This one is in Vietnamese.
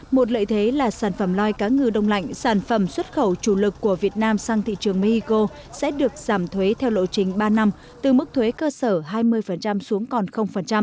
một lợi thế là sản phẩm lòi cá ngừ đông lạnh sản phẩm xuất khẩu chủ lực của việt nam sang thị trường mexico sẽ được giảm thuế theo lộ trình ba năm từ mức thuế cơ sở hai mươi xuống còn